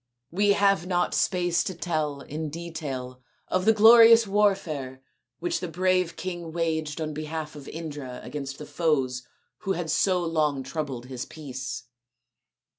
" We have not space to tell in detail of the glorious warfare which the brave king waged on behalf of Indra against the foes who had so long troubled his peace.